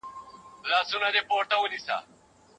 که ته غواړې ویډیو لنډه کړي نو بې ځایه خبرې ترې لري کړه.